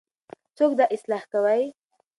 څوک دا اصلاح کوي؟